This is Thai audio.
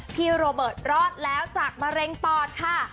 พี่โรเบิร์ตรอดแล้วจากมะเร็งปอดค่ะ